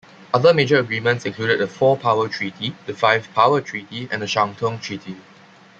Other major agreements included the Four-Power Treaty, the Five-Power Treaty, and the Shangtung Treaty.